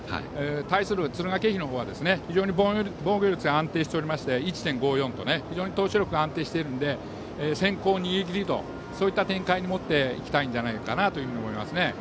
対する敦賀気比のほうは非常に防御率が安定しておりまして１．５４と非常に投手力が安定しているので先行逃げ切りという展開に持っていきたいんじゃないかなと思いますね。